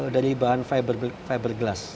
dari bahan fiberglass